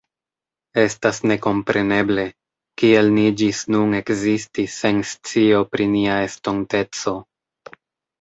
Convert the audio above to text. Estas nekompreneble, kiel ni ĝis nun ekzistis sen scio pri nia estonteco.